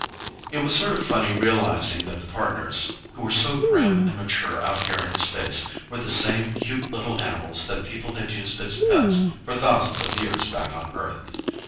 It was sort of funny realizing that the Partners who were so grim and mature out here in space were the same cute little animals that people had used as pets for thousands of years back on Earth.